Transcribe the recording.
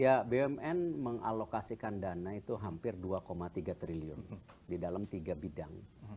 ya bumn mengalokasikan dana itu hampir dua tiga triliun di dalam tiga bidang